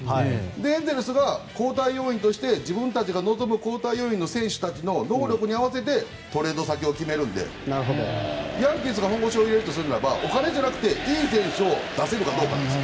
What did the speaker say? エンゼルスが交代要員として自分たちが望む交代要員の選手たちの能力に合わせてトレード先を決めるのでヤンキースが本腰を入れるならお金じゃなくていい選手を出せるかどうかです。